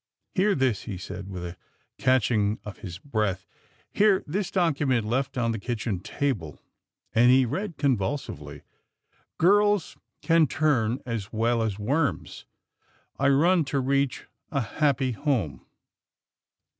" Hear this," he said with a catching of his breath, " hear this document left on the kitchen table," and he read convulsively, " Gurrls can turrn as well as wurrms. I rrun to r reach a happpy Homme."